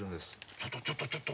ちょっとちょっとちょっと。